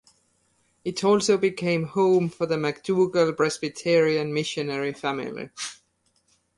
It also became home for the McDougall Presbyterian missionary family.